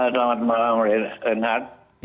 selamat malam pak enad